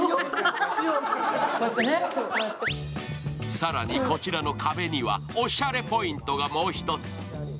更に、こちらの壁にはおしゃれポイントがもう１つ。